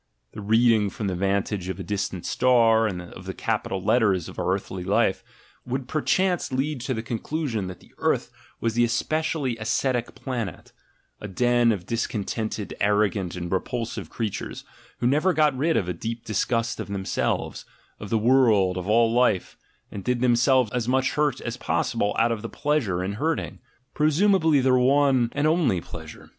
The reading from the vantage of a distant star of the capital letters of our earthly life, would perchance lead to the conclusion that the earth was the especially ascetic planet, a den of discontented, arrogant, and repulsive creatures, who never got rid of a deep disgust of themselves, of the world, of all life, and did themselves as much hurt as possible out of pleasure in hurting — presumably their one and only pleasure.